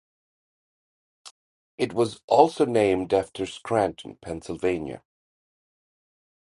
It was also named after Scranton, Pennsylvania.